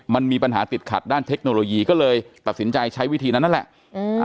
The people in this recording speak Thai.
มันมีปัญหาติดขัดด้านเทคโนโลยีก็เลยตัดสินใจใช้วิธีนั้นนั่นแหละ